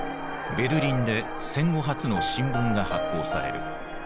ベルリンで戦後初の新聞が発行される。